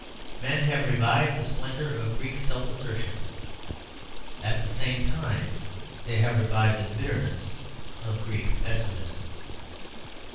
Men have revived the splendour of Greek self assertion at the same time that they have revived the bitterness of Greek pessimism.